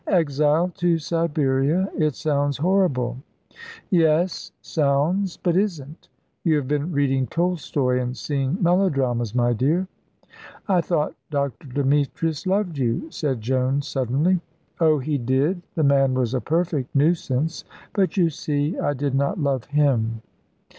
"Exile to Siberia! It sounds horrible." "Yes sounds, but isn't. You have been reading Tolstoy and seeing melodramas, my dear." "I thought Dr. Demetrius loved you," said Joan, suddenly. "Oh, he did; the man was a perfect nuisance. But, you see, I did not love him."